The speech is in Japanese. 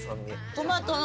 トマトの。